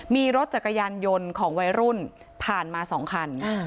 มีรถจักรยานยนต์ของวัยรุ่นผ่านมา๒คัน